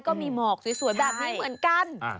ก็มีหมอกสวยแบบนี้เหมือนกัน